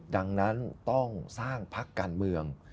ดังนั้นต้องสร้างพักการเมือง